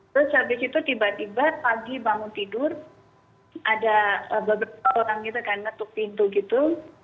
terus habis itu tiba tiba pagi bangun tidur ada beberapa orang gitu kan ngetuk pintu gitu